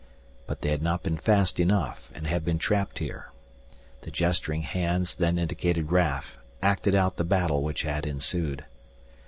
But they had not been fast enough and had been trapped here. The gesturing hands then indicated Raf, acted out the battle which had ensued.